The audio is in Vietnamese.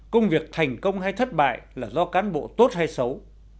công việc thành công hay thất bại là do cán bộ tốt hay xấu